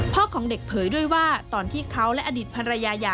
ของเด็กเผยด้วยว่าตอนที่เขาและอดีตภรรยาหย่า